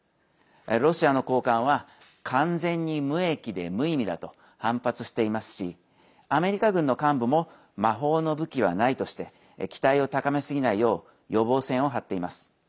ロシアの高官は、完全に無益で無意味だと反発していますしアメリカ軍の幹部も魔法の武器はないとして期待を高めすぎないよう予防線を張っています。